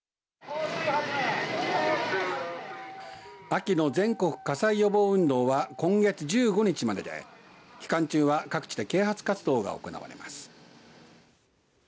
秋の全国火災予防運動は今月１５日までで期間中は各地で啓発活動が行われます。